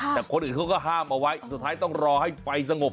แต่คนอื่นเขาก็ห้ามเอาไว้สุดท้ายต้องรอให้ไฟสงบ